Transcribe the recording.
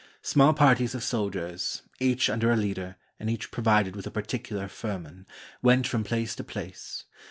Small parties of soldiers, each under a leader, and each provided with a particular firman, went from place to place.